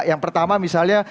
yang pertama misalnya